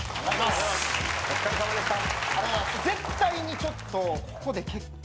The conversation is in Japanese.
お疲れさまでした。